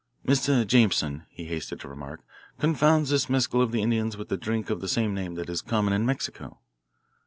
"Mr. Jameson," he hastened to remark, "confounds this mescal of the Indians with the drink of the same name that is common in Mexico."